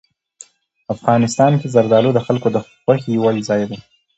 افغانستان کې زردالو د خلکو د خوښې وړ ځای دی.